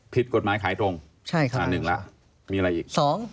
ผิดกฎหมายขายตรง๓นึงแล้วมีอะไรอีก